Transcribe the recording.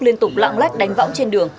liên tục lặng lách đánh võng trên đường